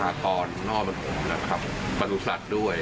หมูของพี่นี่เราจะซื้อซื้อแบบจ้าประจำและจะซื้อเขียงใหญ่